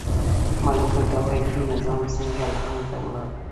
ملوک الطوایفي نظام څنګه له منځه ولاړ؟